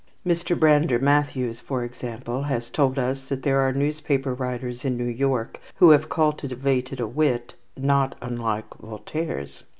Mr. Brander Matthews, for example, has told us that there are newspaper writers in New York who have cultivated a wit, "not unlike Voltaire's."